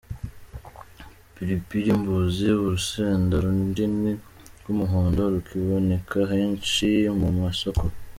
Pilipili-mbuzi” : Urusenda runini rw’umuhondo rukiboneka henshi mu masoko.